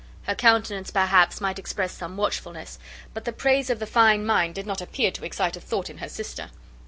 Her countenance, perhaps, might express some watchfulness; but the praise of the fine mind did not appear to excite a thought in her sister.